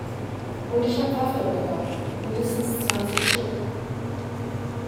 Und ich habe Waffeln gebacken, mindestens zwanzig Stück!